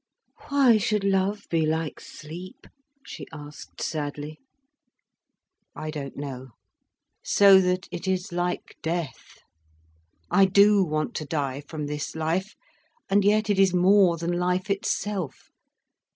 "Why should love be like sleep?" she asked sadly. "I don't know. So that it is like death—I do want to die from this life—and yet it is more than life itself.